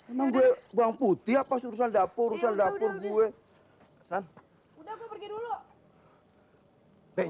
emang gue bawang putih apa sih urusan dapur urusan dapur gue